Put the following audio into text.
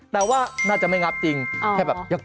แต่ว่าน่าจะไม่งับจริงแค่แบบยาก